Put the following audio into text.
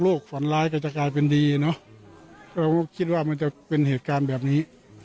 ฝันร้ายก็จะกลายเป็นดีเนอะก็คิดว่ามันจะเป็นเหตุการณ์แบบนี้